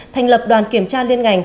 thành lập đoàn kiểm tra liên ngành